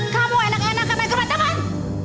kamu enak enak ke main kerumah teman